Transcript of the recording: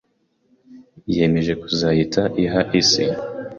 yemeje kuzahita iha isi